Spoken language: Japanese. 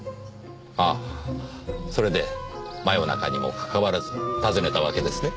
ああそれで真夜中にもかかわらず訪ねたわけですね？